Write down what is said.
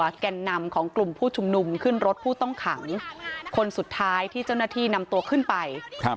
แก่นนำของกลุ่มผู้ชุมนุมขึ้นรถผู้ต้องขังคนสุดท้ายที่เจ้าหน้าที่นำตัวขึ้นไปครับ